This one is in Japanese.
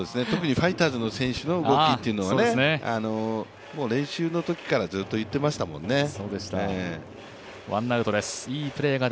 特にファイターズの選手の動きというのは練習のときからずっと言ってましたもんね。